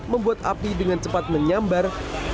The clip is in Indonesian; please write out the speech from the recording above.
membuat api dengan cepat menyambar